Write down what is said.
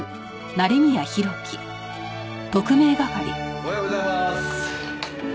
おはようございます。